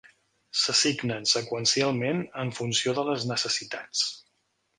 S'assignen seqüencialment en funció de les necessitats.